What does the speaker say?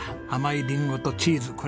甘いリンゴとチーズ。